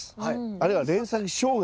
あるいは連作障害。